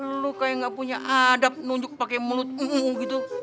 eh lo kayak gak punya adab nunjuk pake mulutmu gitu